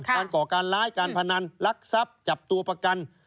ก่อการร้ายการพนันลักทรัพย์จับตัวประกัน